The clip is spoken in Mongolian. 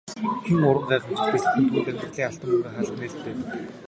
Хэн уран гайхамшигтай сэтгэнэ түүнд амьдралын алтан мөнгөн хаалга нээлттэй байдаг.